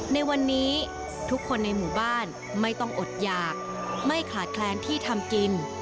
ในวันนี้ทุกคนในหมู่บ้านไม่ต้องอดหยากไม่ขาดแคลนที่ทำกิน